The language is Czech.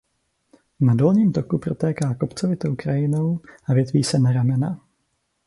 Na dolním toku protéká kopcovitou krajinou a větví se na ramena.